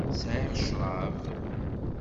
Sɛiɣ ccṛab.